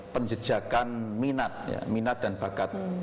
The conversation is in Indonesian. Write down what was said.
penjejakan minat minat dan bakat